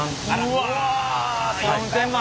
うわ！４，０００万。